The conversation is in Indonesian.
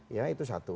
ya itu satu